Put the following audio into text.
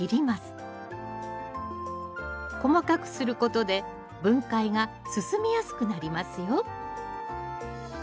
細かくすることで分解が進みやすくなりますよ